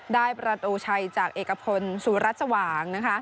ได้ประตูชัยจากเอกพลสุรัสสว่าง